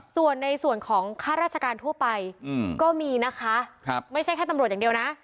ส่วนในส่วนของค่าราชการทั่วไปก็มีนะคะไม่ใช่แค่ตำรวจอย่างเดียวนะ